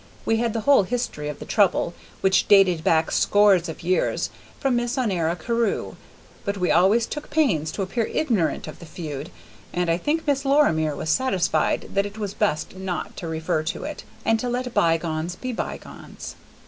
We had the whole history of the trouble, which dated back scores of years, from Miss Honora Carew, but we always took pains to appear ignorant of the feud, and I think Miss Lorimer was satisfied that it was best not to refer to it, and to let bygones be bygones.